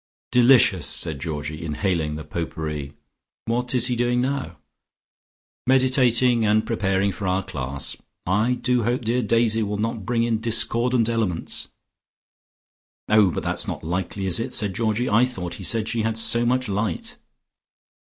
"Delicious!" said Georgie, inhaling the pot pourri. "What is he doing now?" "Meditating, and preparing for our class. I do hope dear Daisy will not bring in discordant elements." "Oh, but that's not likely, is it?" said Georgie. "I thought he said she had so much light."